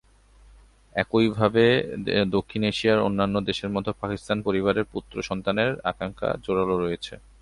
একইভাবে দক্ষিণ এশিয়ার অন্যান্য দেশের মতো, পাকিস্তানি পরিবারের পুত্র সন্তানের আকাঙ্খা জোরালো রয়েছে।